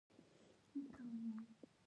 باور ټیم جوړوي